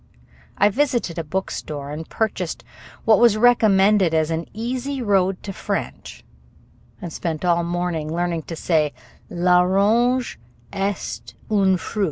I visited a bookstore and purchased what was recommended as an easy road to French, and spent all morning learning to say, "l'orange est un fruit."